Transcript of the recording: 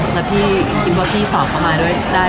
แล้วพี่คิดว่าพี่สอบเข้ามาด้วยได้